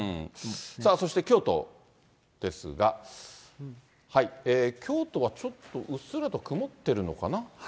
さあ、そして、京都ですが、京都はちょっとうっすらと曇ってるのかな。